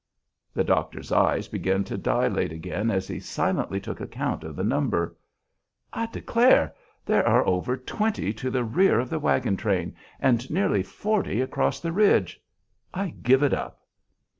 The doctor's eyes began to dilate again as he silently took account of the number. "I declare, there are over twenty to the rear of the wagon train and nearly forty across the ridge! I give it up."